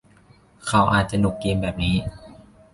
เขาอาจจะหนุกเกมแบบนี้